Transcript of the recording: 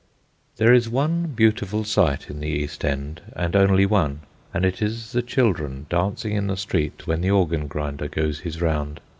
There is one beautiful sight in the East End, and only one, and it is the children dancing in the street when the organ grinder goes his round.